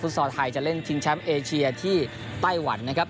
ซอลไทยจะเล่นชิงแชมป์เอเชียที่ไต้หวันนะครับ